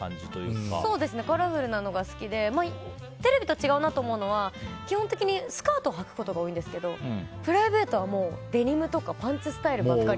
カラフルなのが好きでテレビと違うなと思うのは基本的にスカートをはくことが多いんですけどプライベートはデニムとかパンツスタイルばかり。